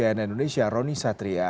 yna indonesia roni satria